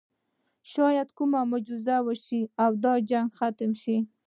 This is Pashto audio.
شاید کومه معجزه وشي او دا جګړه ختمه شي